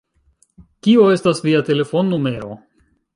Kio estas via telefon-numero?